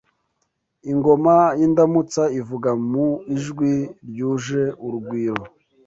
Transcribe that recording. ingoma y’indamutsa ivuga mu ijwi ryuje urugwiro